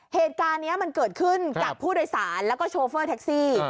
เหตุการณ์นี้มันเกิดขึ้นกับผู้โดยสารแล้วก็โชเฟอร์แท็กซี่